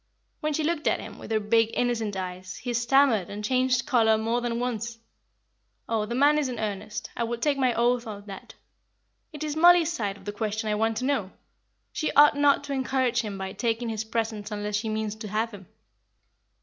"When she looked at him, with her big, innocent eyes, he stammered and changed colour more than once. Oh, the man is in earnest, I would take my oath of that; it is Mollie's side of the question I want to know; she ought not to encourage him by taking his presents unless she means to have him."